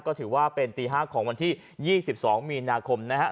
ก็ถือว่าเป็นตี๕ของวันที่๒๒มีนาคมนะครับ